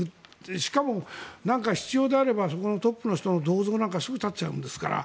しかも、何か必要であればそこのトップの人の銅像なんかをすぐ建てちゃうんですから。